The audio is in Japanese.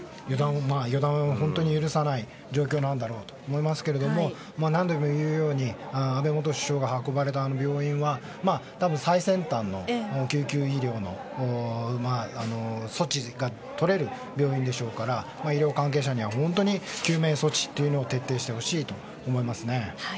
予断を許さない状況なんだろうと思うんですが何度も言うように安倍元首相が運ばれた病院は多分、最先端の救急医療の措置がとれる病院でしょうから医療関係者には本当に救命措置を徹底してほしいと思いますね。